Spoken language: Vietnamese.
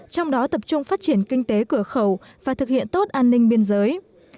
trong đó tập trung phát triển kinh tế cửa khẩu và thực hiện tốt an ninh biên giới